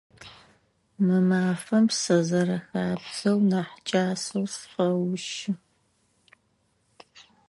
Мы мафэм сэ, зэрэхабзэу, нахь кӏасэу сыкъэущы.